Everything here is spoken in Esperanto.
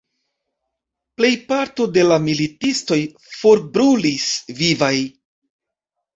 Plejparto de la militistoj forbrulis vivaj.